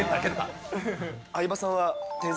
相葉さんは天才！